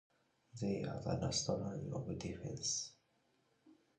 They are the last line of defense.